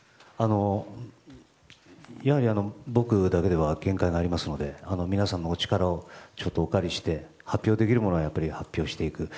僕だけでは限界がありますので皆さんのお力をお借りして発表できるものは発表していく。